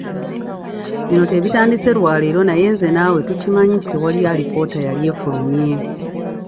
Bino tebitandise lwa leero naye nze naawe tukimanyi nti teri alipoota yali efulumye .